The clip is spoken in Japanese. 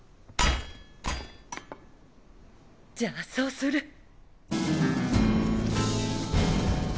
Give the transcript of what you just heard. じゃあそうする。